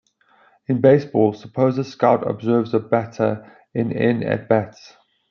In baseball, suppose a scout observes a batter in "N" at-bats.